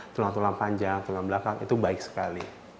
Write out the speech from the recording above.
tulang tulang panjang tulang belakang itu baik sekali